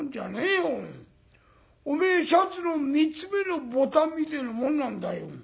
おめえシャツの３つ目のボタンみてえなもんなんだよ。